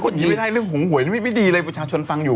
เรื่องห่วงหวยไม่ดีเลยประชาชนฟังอยู่